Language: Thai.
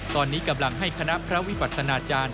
ตอนนี้กำลังให้คณะพระวิปัสนาจารย์